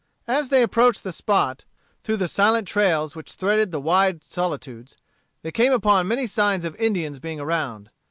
As they approached the spot through the silent trails which threaded the wide solitudes, they came upon many signs of Indians being around.